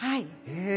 へえ。